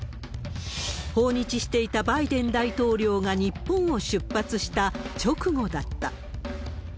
訪日していたバイデン大統領が日本を出発した直後だった。